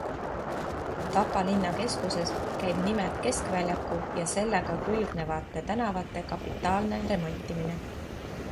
Tapa linna keskuses käib nimelt keskväljaku ja sellega külgnevate tänavate kapitaalne remontimine.